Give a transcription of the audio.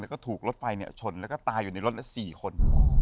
แล้วก็ถูกรถไฟชนแล้วก็ตายอยู่ในรถ๔คน